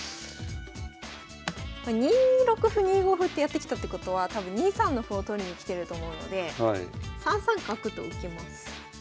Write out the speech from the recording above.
２六歩２五歩ってやってきたってことは多分２三の歩を取りに来てると思うので３三角と受けます。